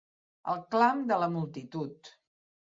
El clam de la multitud.